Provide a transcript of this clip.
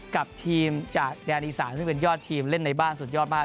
กับทีมจากแดนอีสานซึ่งเป็นยอดทีมเล่นในบ้านสุดยอดมาก